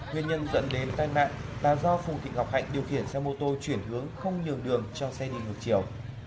nguyên nhân dẫn đến tai nạn là do phù thị ngọc hạnh điều khiển xe mô tô chuyển hướng không nhường đường cho xe đi ngược chiều